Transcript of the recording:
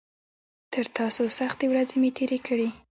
تر تاسو سختې ورځې مې تېرې کړي.